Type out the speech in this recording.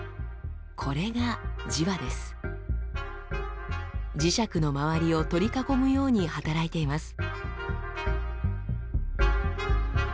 これが磁石の周りを取り囲むように働いています。